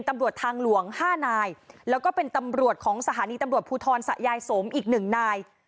ตำรวจทางหลวง๕นายแล้วก็เป็นตำรวจของสถานีตำรวจภูทรสะยายสมอีกหนึ่งนาย